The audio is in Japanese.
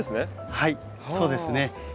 はいそうですね。